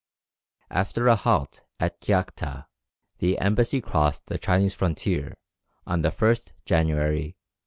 After a halt at Kiakta, the embassy crossed the Chinese frontier on the 1st January, 1806.